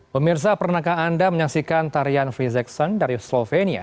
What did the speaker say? pemirsa pernahkah anda menyaksikan tarian freezexon dari slovenia